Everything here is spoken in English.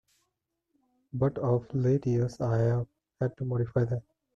But of late years I've had to modify that.